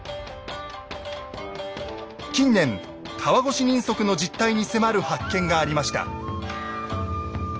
近年川越人足の実態に迫る発見がありました。